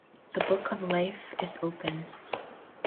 The book of life is open.